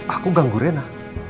aku ganggu rena